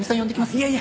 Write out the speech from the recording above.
いやいや。